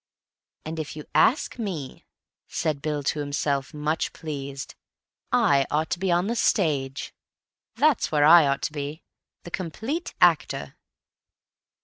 "And if you ask me," said Bill to himself, much pleased, "I ought to be on the stage. That's where I ought to be. The complete actor."